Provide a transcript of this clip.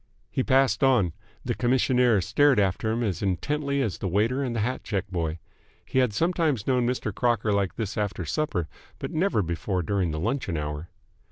He passed on. The commissionaire stared after him as intently as the waiter and the hat check boy. He had sometimes known Mr. Crocker like this after supper, but never before during the luncheon hour.